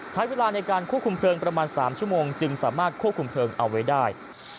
ใช้เวลาในการควบคุมเพลิงประมาณ๓ชั่วโมงจึงสามารถควบคุมเพลิงเอาไว้ได้